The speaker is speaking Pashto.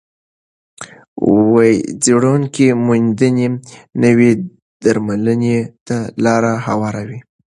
د څېړونکو موندنې نوې درملنې ته لار هواروي.